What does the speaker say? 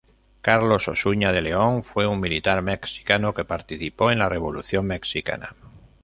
Carlos Osuna de León fue un militar mexicano que participó en la Revolución mexicana.